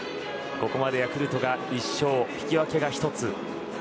ここまでヤクルトが１勝引き分けが１つ。